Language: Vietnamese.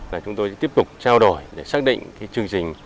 và chúng tôi sẽ tiếp tục trao đổi để xác định